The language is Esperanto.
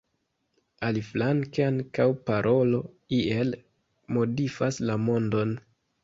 Aliflanke ankaŭ parolo iel modifas la mondon.